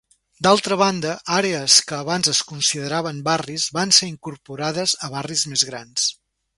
D'altra banda, àrees que abans es consideraven barris van ser incorporades a barris més grans.